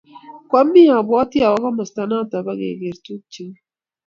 Kwamii abwotii awo komasta noto paker tukcheuu